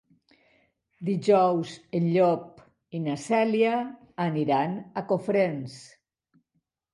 Dijous en Llop i na Cèlia aniran a Cofrents.